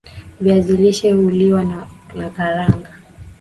viazi lishe huliwa na nakaranga